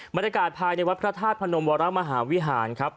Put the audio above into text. บรรยากาศภายในวัดพระธาตุพนมวรมหาวิหารครับ